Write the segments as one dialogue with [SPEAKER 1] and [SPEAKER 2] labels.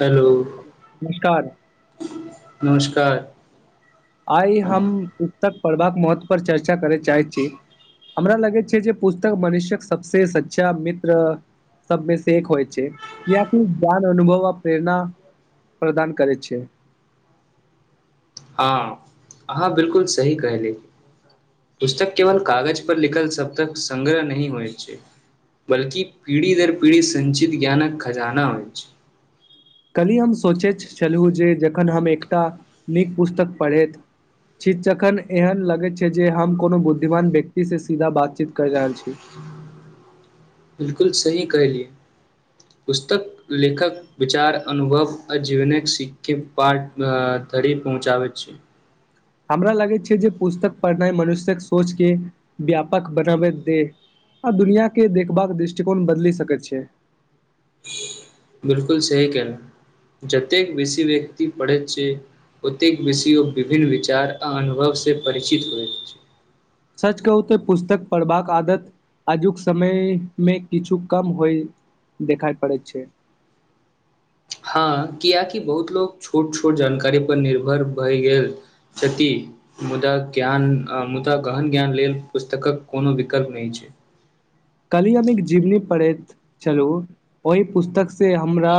[SPEAKER 1] Hello
[SPEAKER 2] [unintelligible] नमस्कार।
[SPEAKER 1] नमस्कार।
[SPEAKER 2] आइ हम पुस्तक पढ़बाक महत्व पर चर्चा करय चाहै छी, हमरा लगै छै जे पुस्तक मनुष्य्यक सबस सच्षा मित्र सबमे से एक होइ छै, य किि ज्ञान अनुभव आ प्रेरणा प्रदान करै छै।
[SPEAKER 1] हँ, अहाँ बिलकुल सही कहले, पुस्तक केवल कागज पर लिखल शतक संगग्रह नहिह होइ छै, बल्कि पीढ़ी दर पीढ़ी संञचित ज्ञानक खजाना होइ छै।
[SPEAKER 2] कलही हम सोचैत छलहुँ, जे जखन हम एकटा नीक पुस्तक पढ़ैत छी तखन एहन लगैत छै जे हम कोनो बुद्धिमान व्यक्तिसँ सीधा बातचीत करि रहल छी।
[SPEAKER 1] बिलकुल सही कहलियै, पुस्तक लेखक विचार अनुभव आ जीवनक सीके पाठ धरि पहुँचाबैत छिय।
[SPEAKER 2] हमरा लागैत छै जे पुस्तक पढ़नाइ मनुष्यक सोचके व्यापक बनाबैत दे, आ दुनिआँके देखबाक दृष्टिकोण बदलि सकैत छै।
[SPEAKER 1] बिलकुल सही कनाहु, जतेक बेसी व्यक्ति पढ़ैत छै, ओतेक बेसी ओ विभिन्न विचार आ अनुभवसँ परिचित होइत छै।
[SPEAKER 2] सच कहू तऽ पुस्तक पढ़बाक आदत आजुक समयमे किछु कम होइत देखाय पड़ैत छै।
[SPEAKER 1] हँ, किएकि बहुत लोक छोट-छोट जानकारीपर निर्भर भए गेल छथि, मुदा ज्ञान मुदा गहन ज्ञान लेल पुस्तकक कोनो विकल्प नहि छै।
[SPEAKER 2] काल्हि हम एक जीवनी पढ़ैत छलहुँ, ओहि पुस्तकसँ हमरा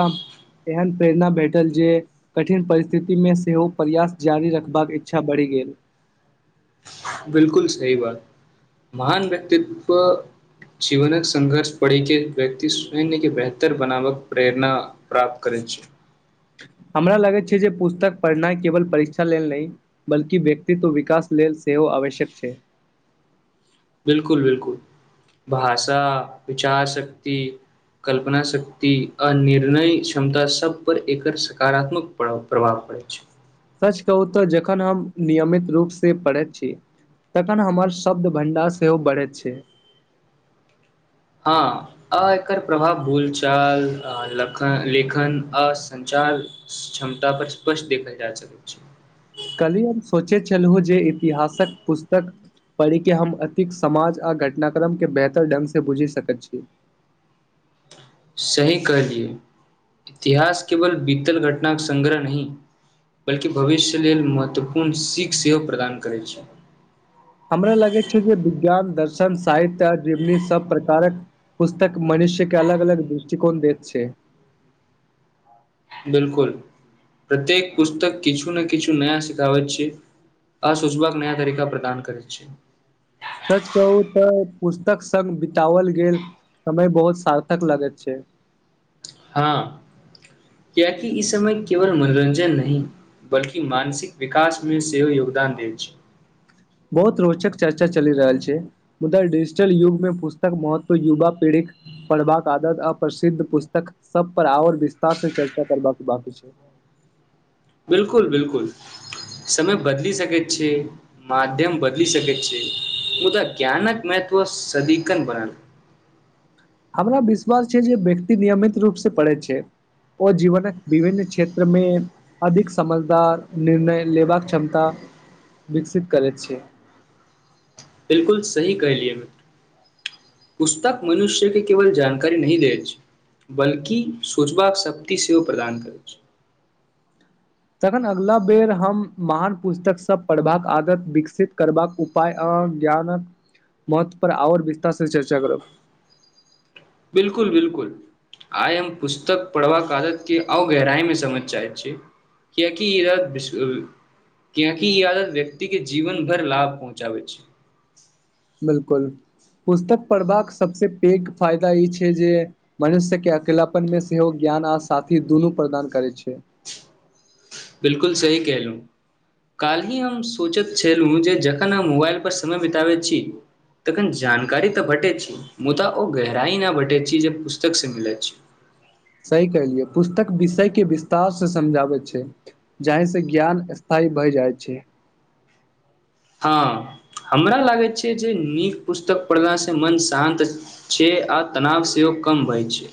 [SPEAKER 2] एहन प्रेरणा भेटल, जे कठिन परिस्थितिमे सेहो प्रयास जारी रखबाक इच्छा बढ़ि गेल।
[SPEAKER 1] बिलकुल सही बात। महान व्यक्तित्व जीवनक संघर्ष पढ़ि के व्यक्ति स्वयंके बेहतर बनावक प्रेरणा प्राप्त करैत छै।
[SPEAKER 2] हमरा लगैत छै जे पुस्तक पढ़नाइ केवल परीक्षा लेल नहि, बल्कि व्यक्तित्व विकास लेल सेहो आवश्यक छै।
[SPEAKER 1] बिल्कुल, बिल्कुल, भाषा विचार शक्त कल्पना शक्त आ निर्णय क्षमता सब पर एकर सकारात्मक प्रभाव पड़ैत छै।
[SPEAKER 2] कहू तऽ जखन हम नियमित रूप से पढ़ैत छी, तखन हमर शब्द भं्डार सेहो बढ़ैत छै।
[SPEAKER 1] हँ, आ एकर प्रभाव भूलचाल लखन लेखन आ सचार क्षमता पर स्पष्ट देखल जा सकैत छै।
[SPEAKER 2] कल्हि हम सोचैत छलहु जे इतिहासक पुस्तक पढ़िके हम अतििक्त समाज आ घटनाक्रमकेँ बेहतर ढङ्गसँ बुझि सकैत छी।
[SPEAKER 1] सही कहलियै, इतिहास केवल बीतल घटनाक संगङग्रह नहि, बल्कि भविष्य लेल महत्वपूर्ण सीख सेहो प्रदान करैत छै।
[SPEAKER 2] हमरा लगे छै जे विज्ञान दर्शन शन, साहित्य आ जीवनी सब प्रकारक पुस्तक मनुष्य के अलग अलग दृष्टिकोण दैत छै।
[SPEAKER 1] बिलकुल, प्रत्येक पुस्तक किछु ने किछु नया सिखाबै छै आ सुूझबाकबाक नया तरीका प्रदान करैत छै।
[SPEAKER 2] सच कहू तऽ पुस्तक स्ग बितओल गेल समय बहुत सार्थक लगैत छै।
[SPEAKER 1] हँ, कियकि ई समय केवल मनोरञ्जन नहिी बल्कि मानसिक विकास मे सेहो योगदान देल छै।
[SPEAKER 2] बहुत रोचक चर्चा चलि रहल छै, मुदार डिजिटल युगमे पुस्तक महत्व, युवा पीढ़ीके पढ़बाक आदत, अपसिद्ध पुस्तक सब पर आओर विस्तार से चर्चा करबाक बाकी छै।
[SPEAKER 1] बिल्कुल, बिल्कुल, समय बदल सक छै, मध्यम बदल सके छै, मुदक ज्ञानक महत्व सदिकन बनल।
[SPEAKER 2] हमरा विश्वास छै, जे व्यक्ति नियमित रूप से पढ़ै छै, ओ जीवनक विभिन्न क्षेत्रमे अधिक समझदार निर्णय लेबाक क्षमता विकसित करैत छै।
[SPEAKER 1] बिलकुल सही कलियए, पुस्तक मनुष्य के केवल जानकारी नहिह दै छै, बल्कि सोचबाक शक्त सेहो प्रदान करै छै।
[SPEAKER 2] तखन अगिला बेर हम महान पुस्तक सभ पढ़बाक आदत विकसित करबाक उपाय आ ज्ञानक महत्वपर आओर विस्तारसँ चर्चा करब।
[SPEAKER 1] बिल्कुल, बिल्कुल, आइ हम पुस्तक पढ़बाक आदत के अ गहराइमे समझ चाहै छी, किएकि ई, कियकि ई आदत व्यक्तिक के जीवन भर लाभ पहुँचाबै छै।
[SPEAKER 2] बिल्कुल। पुस्तक पढ़बाक सबसँ एक फायदा ई छै, जे मनुष्य के अकिलपन मे सेहो ज्ञान आ साथी दुनू प्रदान करै छै।
[SPEAKER 1] बिलकुल सही कलहुँ काल्हि ही हम सोचैत छलहुँ जे जखन हम मोबाइलपर समय बितबैत छी, तखन जानकारी तऽ भेटैत छी, मुदा ओ गहराइ नहि भेटैत छी, जे पुस्तकसँ मिलैत छी।
[SPEAKER 2] सही कलियै, पुस्तक विषयके विस्तार से समझाबै छै, जाहिसँ ज्ञान स्थायी भय जाइ छै।
[SPEAKER 1] हँ, हमरा लागै छै जे नीक पुस्तक पढ़लासँ मन शान्त छै, आ तनाव सेहो कम भइ छै।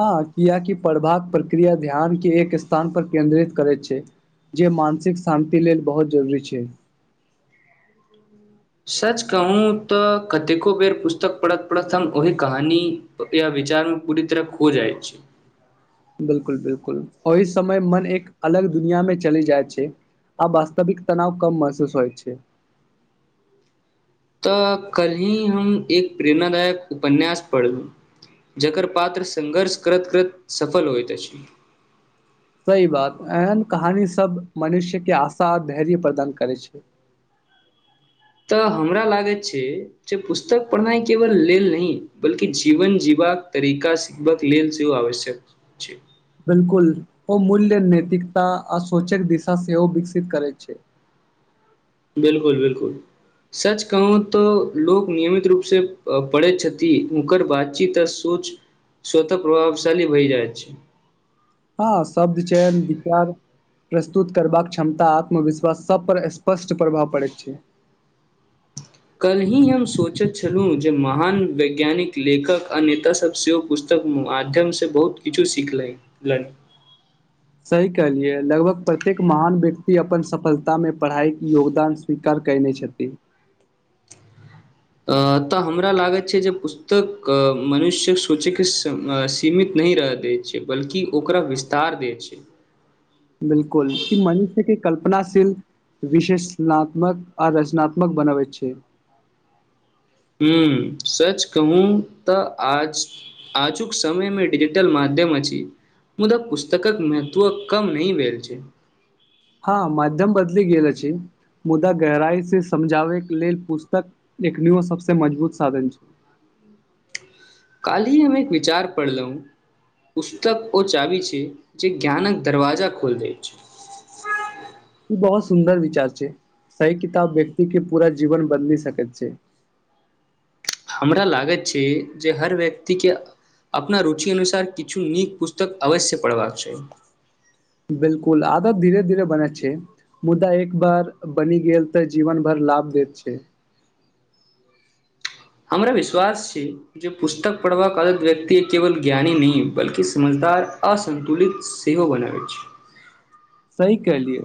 [SPEAKER 2] हँ, किआकि पढ़बाक प्रक्रिया ध्यान के एक स्थान पर केन्द्रित करैत छै, जे मानसिक शान्ति लेल बहुत जरूरी छै।
[SPEAKER 1] सच कहू तऽ, कतेको बेर पुस्तक पढ़त-पढ़त हम ओहि कहानी या विचारमे पूरी तरह खो जाइत छी।
[SPEAKER 2] बिल्कुल-बिल्कुल, ओहि समय मन एक अलग दुनिया मे चलि जाइ छै, आ वास्तविक तनाव कम महसूस होइ छै।
[SPEAKER 1] तऽ कल्हिी हम एक प्रेरणादायक उपन्यास पढ़लहुँ, जकर पात्र संङ्घर्ष करैत करैत सफल होइत अछि।
[SPEAKER 2] सही बात, एहन कहानी सभ मनुष्य के आशा, आ धैर्य प्रदान करै छै।
[SPEAKER 1] तऽ हमरा लागैत छै, जे पुस्तक पढ़नाइ केवल लेल नहि, बल्कि जीवन जीबाक तरीका सिखबाक लेल सेहो आवश्यक छै।
[SPEAKER 2] बिलकुल, ओ मूल्य नैैतिकता आ सोचक दिशा सेहो विकसित करै छै।
[SPEAKER 1] बिलकुल, बिलकुल, सच कहू तऽ लोको नियमित रूप से पड़ै छथि, हुनकर बातचीत आ सोच स्वतः प्रभावशाली भहि जाइत छै।
[SPEAKER 2] हँ, शब्द चयन, विचार प्रस्तुत करबाक क्षमता, आत्मविश्वास, सब पर स्पष्ट प्रभाव पड़ैत छै।
[SPEAKER 1] यही हम सोचैत छलहुँ, जे महान वैज्ञानिक लेखक आ नेताास सभ सेहो पुस्तक माध्यमसँ बहुत किछु सीखनि।
[SPEAKER 2] सही कहलियै, लगभग प्रत्येक महान व्यक्ति अपन सफलतामे पढ़ाइके योगदान स्वीकार कयने छथि।
[SPEAKER 1] तऽ हमरा लागैत छै, जे पुस्तक मनुष्यक सोचय के सीमित नहि रहय दै छै, बल्कि ओकरा विस्तार दै छै।
[SPEAKER 2] बिल्कुल, ई मनुष्य के कल्पनाशील, विशेषनात्मक आ रचनात्मक बनाबै छै।
[SPEAKER 1] ह्म्म, सच कहू तऽ आज आजुक समयमे िजिटल मध्यम छी मुदा पुस्तकक महत्व कम नह भेलल छै।
[SPEAKER 2] हँ, माध्यम बदलि गेल अछि, मुदा गहराइ से समझाबैके लेल पुस्तक एखन सबसँ मजबूत साधन छै।
[SPEAKER 1] काल्हिी हम एक विचार पढ़लहुँ, पुस्तक ओ चाबी छै, जे ज्ञानक दरवाजा खोलि दैत छै।
[SPEAKER 2] ई बहुत सुन्दर विचार छै, सही किताब व्यक्ति के पूरा जीवन बदलि सकैत छै।
[SPEAKER 1] हमरा लागैत छै, जे हर व्यक्तिके अपना रुचि अनुसार किछु नीक पुस्तक अवश्य पढ़बाक चाह।
[SPEAKER 2] बिलकुल, आदत धीरे-धीरे बने छै, मुद्दा एक बार बनि गेल तऽ जीवन भर लाभ देैत छै।
[SPEAKER 1] हमरा विश्वास छै, जे पुस्तक पढ़बाक अलत व्यक्ति केवल ज्ञानी नहि, बल्ि समझदार असन्तुलित सेहो बनाबैत छै।
[SPEAKER 2] निक कहलियै,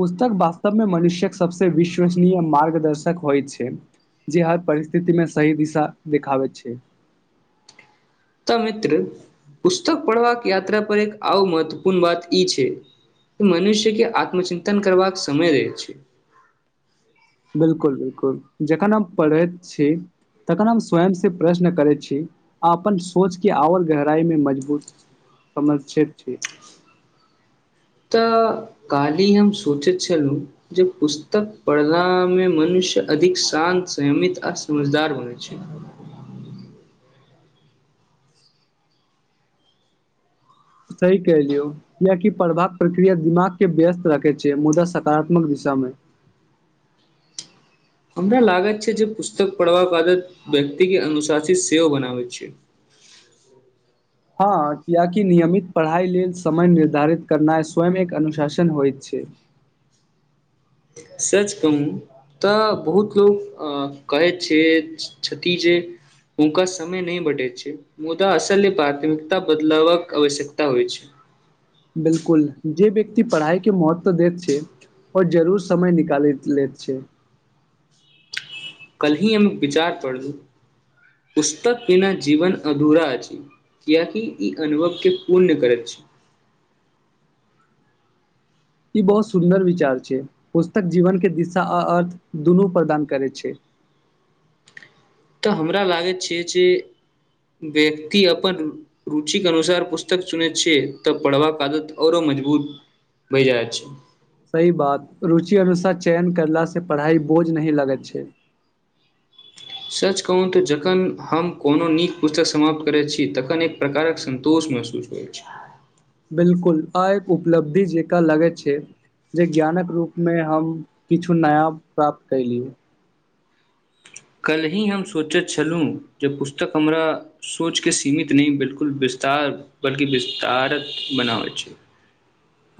[SPEAKER 2] पुस्तक वास्तवमे मनुष्य्यक सबस विश्वसनीय मार्गदर्शक होइ छै, जे हर परिस्थिति मे सही दिशा देखाबैत छै।
[SPEAKER 1] त मित्र, पुस्तक पढ़बाक यााता पर एक आ महत्वपूर्ण बात ई छै, मनुष्य के आत्मचिन्तन करबाक समय रहै छै।
[SPEAKER 2] बिल्कुल-बिल्कुल, जखन हम पढ़ैत छी, तखन हम स्वयंसँ प्रश्न करैत छी, आ अपन सोचके आओर गहराइमे मजबूत समर््षित छी।
[SPEAKER 1] तऽ, काल्हि हम सोचैत छलहुँ, जे पुस्तक पढ़लामे मनुष्य अधिक शान्त, संयमित आ समझदार बनै छै।
[SPEAKER 2] सही कहलियौ, किियकि पढ़बाक प्रक्रिया दिमाग के व्यस्त राखे छै मुदा सकारात्मक दिशा मे।
[SPEAKER 1] हमरा लागैत छै, जे पुस्तक पढ़बाका बादत व्यक्ति के अनुशासित सेहो बनाबै छै।
[SPEAKER 2] हँ, किियकि नियमित पढ़ाइ लेल समय निर्धारित करनाइ स्वयं एक अनुशासन होइत छै।
[SPEAKER 1] सच कहू, तऽ बहुत लोक अ कहै छै क्ष जे ओनका समय नहि बटे छै, मुदा असल प्राथमिकता बदलवक आवश्यकता होइ छै।
[SPEAKER 2] बिलकुल, जे व्यक्ति पढ़ाई के महत्व दैत छै, ओओर जरूर समय निकालि लैत छै।
[SPEAKER 1] कल ही हम विचार पढ़लु, पुस्तक बिना जीवन अधूरा अछि, कियकि ई अनुभव के पूर्ण करैत छी।
[SPEAKER 2] ई बहुत सुन्दर विचार छै, पुस्तक जीवन के दिशा आ अर्थ दुनू प्रदान करै छै।
[SPEAKER 1] तऽ हमरा लागैत छै, जे व्यक्ति अपन रुचिक अनुसार पुस्तक चुनैत छियै, तऽ पढ़बाक आदत आओरो मजबूत बहि जाइत छै।
[SPEAKER 2] सही बात, रुचि अनुसार चयन करलाास से पढ़ाइ बोझ नहिह लगैत छै।
[SPEAKER 1] सच कहु तऽ, जखन हम कोनो नीक पुस्तक समाप्त करैत छी, तखन एक प्रकारक सन्तोष महसूस होइत छै।
[SPEAKER 2] बिलकुल आ एक उपलब्धि जेकरा लगै छै, जे ज्ञानक रूप मे हम किछु नया प्राप्त कलियै।
[SPEAKER 1] कलही हम सोचैत छलहुँ, जे पुस्तक हमरा सोचके सीमित नहि बिलकुल विस्तार बल्कि विस्तारत बनाबै छै।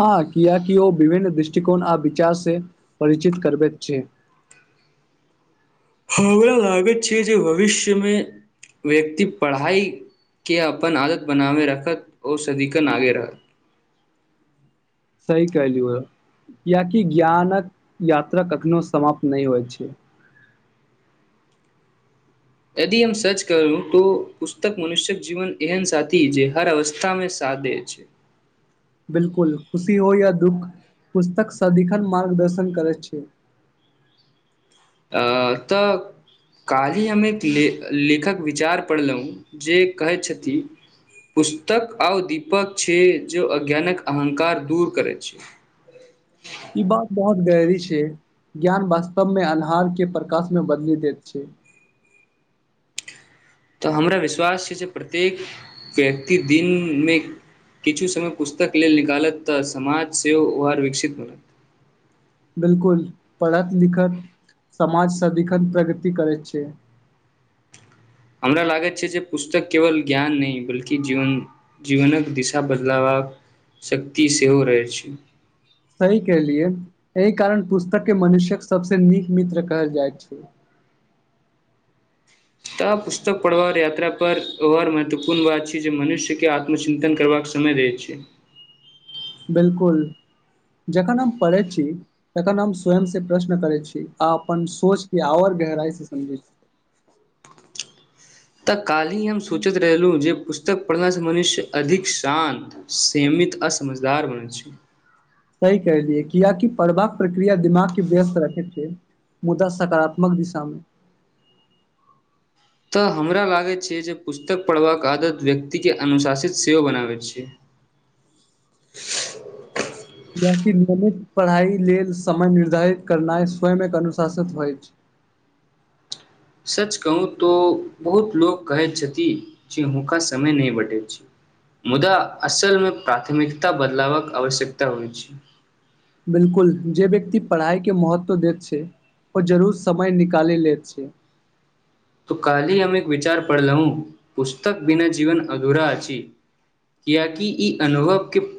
[SPEAKER 2] हँ, कियाकि ओ विभिन्न दृष्टिकोण आ विचार से परिचित करबैत छै।
[SPEAKER 1] हमरा लागैत छै जे भविष्यमे व्यक्ति पढ़ाई के अपन आदत बनाबे रखत, सदिकन आगे रहत।
[SPEAKER 2] सही कहलीये, कियकि ज्ञानक यात्रा कखनो समाप्त नहि होइ छै।
[SPEAKER 1] यदि हम सर्च करू, त पुस्तक मनुष्य्यक जीवन एहन साथी जे हर अवस्था मे सा दे छै।
[SPEAKER 2] बिल्कुल, खुशी हो या दुःख पुस्तक सदिखन मार्गदर्शन करैत छै।
[SPEAKER 1] तऽ काल्हि हम एक लेखक विचार पढ़लहुँ, जे कहैत छथि पुस्तक आर दीपक छै, जे अज्ञानक अहंकार दूर करै छै।
[SPEAKER 2] ई बात बहुत गहरी छै, ज्ञान वास्तव मे अन्हार के प्रकाश मे बदली देैत छै।
[SPEAKER 1] तऽ हमरा विश्वास छै, जे प्रत्येक व्यक्ति दिनमे किछु समय पुस्तक लेल निकालत तऽ, समाज सेहो वर विकसित
[SPEAKER 2] बिलकुल, पढ़त-लिखत समाज सदिखन प्रगति करैत छै।
[SPEAKER 1] हमरा लागैत छै जे पुस्तक केवल ज्ञान नहि, बल्कि जीवन जीवनक दिशा बदलावबा क शक्ति सेहो रहै छै।
[SPEAKER 2] सही कलियै, एहि कारण पुस्तक के मनुष्य क सभसँ नीक मित्र कहल जाईत छै।
[SPEAKER 1] तऽ पुस्तक पढ़बाक यात्रा पर अार महत्वपूर्ण बात छै, जे मनुष्य के आत्मचिन्तन करबाक समय दैत छै।
[SPEAKER 2] बिलकुल, जखन हम पढ़ै छी, तखन हम स्वयं से प्रश्न करै छी आ अपन सोचके आओर गहराइसँ समझै छी।
[SPEAKER 1] तऽ कालही हम सोचैत रहलहुँ, जे पुस्तक पढ़ला से मनुष्य अधिक शान्त, सीमित आ समझदार बनै छै।
[SPEAKER 2] सही कहैलियए, किियाकि पढ़बाक प्रक्रिया दिमाग के व्यस्त रखे छै, मुदा सकारात्मक दिशा मे।
[SPEAKER 1] तऽ हमरा लागै छै जे पुस्तक पढ़बाक आदत व्यक्तिक के अनुशासित सेहो बनाबै छै।
[SPEAKER 2] ाकि नियमित पढ़ाई लेल समय निर्धारित करनाइ स्वयं अनुशासित होइ छै।
[SPEAKER 1] सच कहू तो बहुत लोको कहैत छथि जे हुनका समय नहि बटै छै, मुदा असल मे प्राथमिकता बदलावक आवश्यकता होइ छै।
[SPEAKER 2] बिल्कुल, जे व्यक्ति पढ़ाइके महत्व दैत छै, ओ जरूर समय निकालि लैत छै।
[SPEAKER 1] त कालहिी हम एक विचार पढ़लहुू, पुस्तक बिना जीवन अधूरा अछि कियकि ई अनुभव के